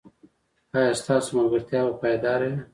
ایا ستاسو ملګرتیا به پایداره وي؟